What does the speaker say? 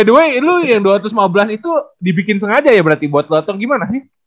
the way lu yang dua ratus lima belas itu dibikin sengaja ya berarti buat lontong gimana nih